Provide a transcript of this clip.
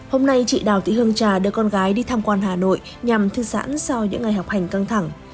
hôm nay chị đào thị hương trà đưa con gái đi tham quan hà nội nhằm thư giãn sau những ngày học hành căng thẳng